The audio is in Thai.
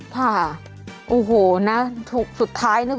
ค่ะโอ้โหนะสุดท้ายนะคุณผู้ชม